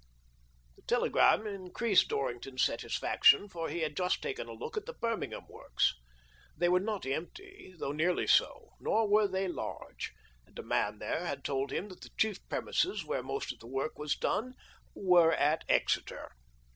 The telegram increased Dorrington's satisfac 1:3 178 THE DOEBINGTON DEED BOX tion, for he had just taken a look at the Birming ham works. They were not empty, though nearly so, nor were they large ; and a man there had told him that the chief premises, where most of the work was done, were at Exeter.